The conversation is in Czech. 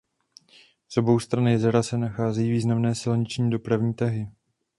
Z obou stran jezera se nacházejí významné silniční dopravní tahy.